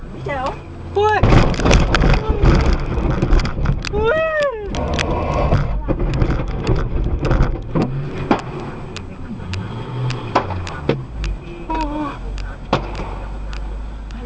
มันถอยมาเลย